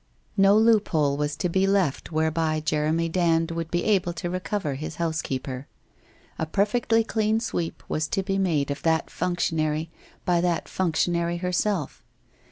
No loop hole was to be left whereby Jeremy Dand would be able to recover his housekeeper. A perfectly clean sweep was to be made of that functionary by that functionary herself.